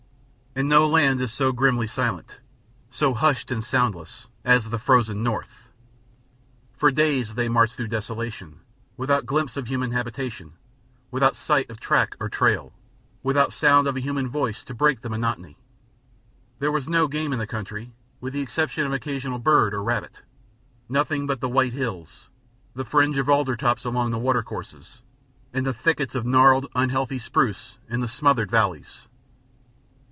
And no land is so grimly silent, so hushed and soundless, as the frozen North. For days they marched through desolation, without glimpse of human habitation, without sight of track or trail, without sound of a human voice to break the monotony. There was no game in the country, with the exception of an occasional bird or rabbit, nothing but the white hills, the fringe of alder tops along the watercourses, and the thickets of gnarled, unhealthy spruce in the smothered valleys.